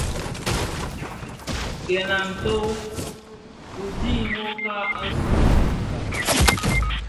Gèn a nto u dhid nwokag, asuu mun Kameroun,